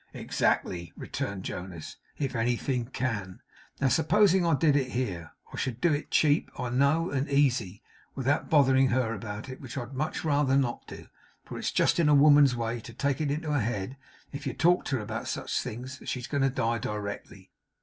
'Exactly,' returned Jonas; 'if anything can. Now, supposing I did it here, I should do it cheap, I know, and easy, without bothering her about it; which I'd much rather not do, for it's just in a woman's way to take it into her head, if you talk to her about such things, that she's going to die directly.